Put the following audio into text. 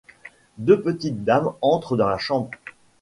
Deux petites dames entrent dans la chambre.